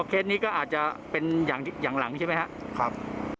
เคสนี้ก็อาจจะเป็นอย่างหลังใช่ไหมครับ